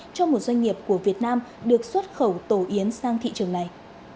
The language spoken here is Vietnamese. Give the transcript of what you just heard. cho một doanh nghiệp của việt nam được xuất khẩu tổ yến sang thị trường này